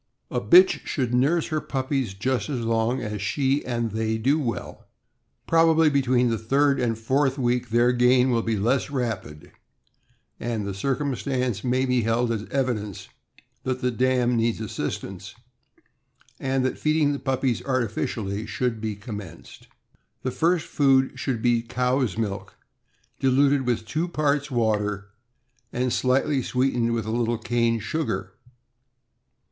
A bitch should nurse her puppies just as long as she and they do well. Probably between the third and fourth week their gain will be less rapid, and the circumstance may be held as evidence that the dam needs assistance, and that feeding the puppies artificially should be commenced.' The first food should be cow's milk, diluted with two parts water, and slightly sweetened with a little cane sugar.